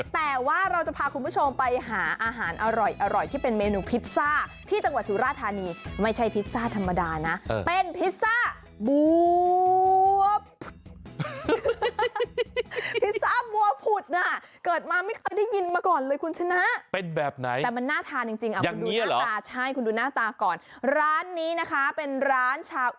แต่ว่าเราจะพาคุณผู้ชมไปหาอาหารอร่อยที่เป็นเมนูพิซซ่า